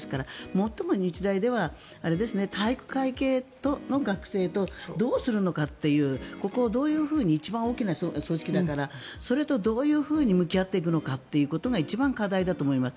最も日大では体育会系の学生とどうするのかというここをどういうふうに一番大きな組織だからそれとどう向き合っていくのかというのが一番課題だと思います。